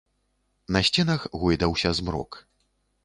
На сценах гойдаўся змрок.